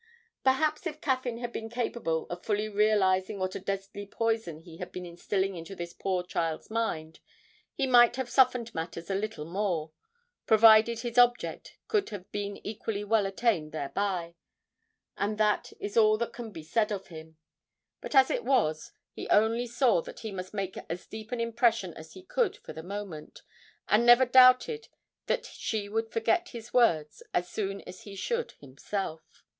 Perhaps if Caffyn had been capable of fully realising what a deadly poison he had been instilling into this poor child's mind, he might have softened matters a little more (provided his object could have been equally well attained thereby), and that is all that can be said for him. But, as it was, he only saw that he must make as deep an impression as he could for the moment, and never doubted that she would forget his words as soon as he should himself.